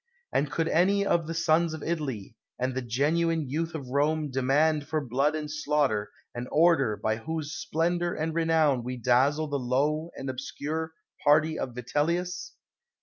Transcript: And could any of the sons of Italy, and the genuine youth of Rome, demand for blood and slaughter, an order, by whose splendor and renown we dazzle the low and obscure party of Vitellius?